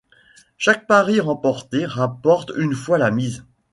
Chaque pari remporté rapporte une fois la mise.